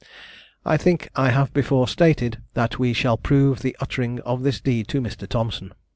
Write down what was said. I think I have before stated, that we shall prove the uttering of this deed to Mr. Thompson.